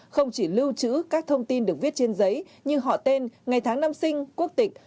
không chỉ lưu trữ các thông tin được viết trên giấy như họ tên ngày tháng năm sinh quốc tịch